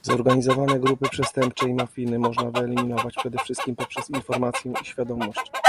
zorganizowane grupy przestępcze i mafijne można wyeliminować przede wszystkim poprzez informację i świadomość